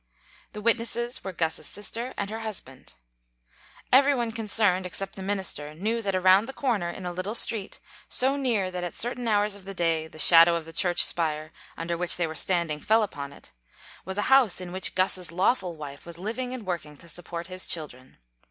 The wit nesses were Guss's sister and her husband. Every one concerned, except the minister, knew that around the corner, in a little street, so near that at certain hours of the day the shadow of the church spire under which 7 6 THE KALLIKAK FAMILY they were standing fell upon it, was a house in which Guss's lawful wife was living and working to support his children.